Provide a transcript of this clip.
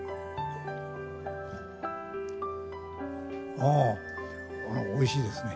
あおいしいですね。